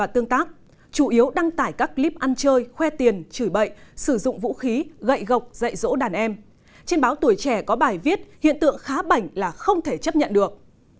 trên báo tuổi trẻ có bài viết hiện tượng khá bảnh là không thể chấp nhận được